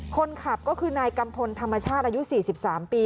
คนขับก็คือนายกัมพลธรรมชาติอายุ๔๓ปี